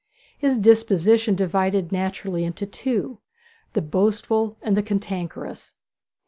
His disposition divided naturally into two, the boastful and the cantankerous.